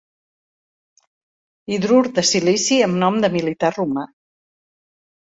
Hidrur de silici amb nom de militar romà.